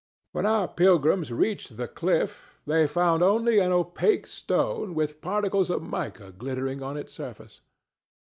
When our pilgrims reached the cliff, they found only an opaque stone with particles of mica glittering on its surface.